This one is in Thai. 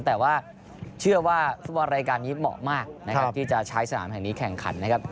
แต่ว่าเชื่อว่าฟุตบอลรายการนี้เหมาะมากนะครับที่จะใช้สนามแห่งนี้แข่งขันนะครับ